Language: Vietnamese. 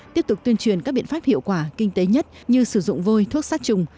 tiếp tục tuyên truyền các biện pháp hiệu quả kinh tế nhất như sử dụng vôi thuốc sát trùng